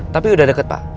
tapi udah deket pak